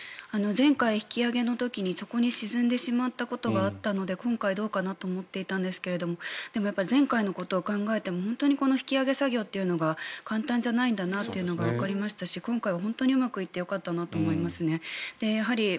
前回、引き揚げの時に底に沈んでしまったことがあったので今回どうかなと思っていたんですけどでも、前回のことを考えても本当に引き揚げ作業というのが簡単じゃないんだなということがわかりましたし今回、うまくいって本当によかったなと思いますね。